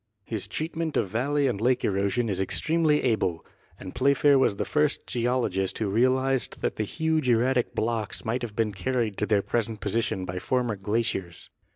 His treatment of valley and lake erosion is extremely able. And Playfair was the first geologist who realized that the huge erratic blocks might have been carried to their present position by former glaciers.